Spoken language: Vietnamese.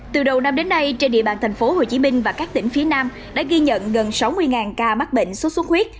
từ đầu năm đến nay trên địa bàn tp hcm và các tỉnh phía nam đã ghi nhận gần sáu mươi ca mắc bệnh sốt xuất huyết